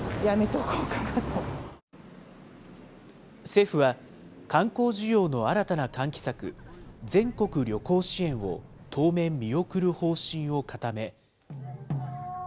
政府は、観光需要の新たな喚起策、全国旅行支援を当面見送る方針を固め。